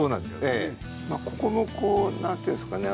ここもこうなんていうんですかね